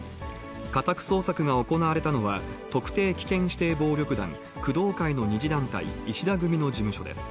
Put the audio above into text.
家宅捜索が行われたのは、特定危険指定暴力団、工藤会の２次団体、石田組の事務所です。